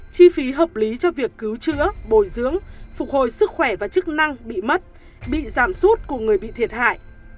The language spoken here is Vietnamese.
chi phí hợp lý cho việc cứu chữa bồi dưỡng phục hồi sức khỏe và chức năng bị mất bị giảm sút của người bị thiệt hại